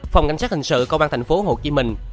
phòng cảnh sát hình sự công an tp hồ chí minh